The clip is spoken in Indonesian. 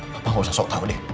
papa gak usah sok tau deh